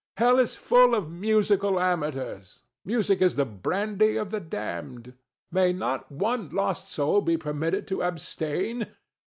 Hell is full of musical amateurs: music is the brandy of the damned. May not one lost soul be permitted to abstain?